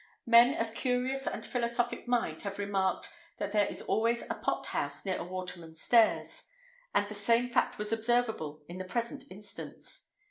Men of a curious and philosophic mind have remarked, that there is always a pot house near a waterman's stairs; and the same fact was observable in the present instance.